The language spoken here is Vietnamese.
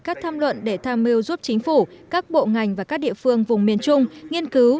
các tham luận để tham mưu giúp chính phủ các bộ ngành và các địa phương vùng miền trung nghiên cứu